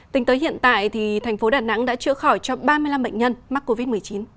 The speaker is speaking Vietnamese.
tính tới hiện tại thành phố đà nẵng đã chữa khỏi cho ba mươi năm bệnh nhân mắc covid một mươi chín